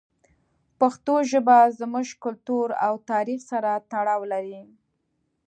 پښتو ژبه زموږ کلتور او تاریخ سره تړاو لري.